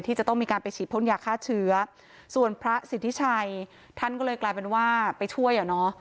จะต้องมีการไปฉีดพ่นยาฆ่าเชื้อส่วนพระสิทธิชัยท่านก็เลยกลายเป็นว่าไปช่วยอ่ะเนอะ